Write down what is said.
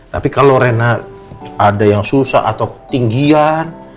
tapi kalau rena ada yang susah atau ketinggian